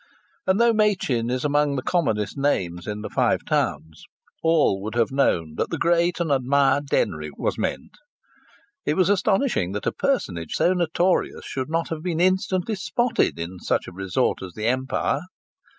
And though Machin is amongst the commonest names in the Five Towns, all would have known that the great and admired Denry was meant ... It was astonishing that a personage so notorious should not have been instantly "spotted" in such a resort as the Empire.